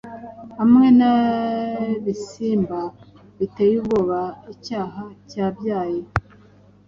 Hamwe nibisimba biteye ubwoba Icyaha-cyabyaye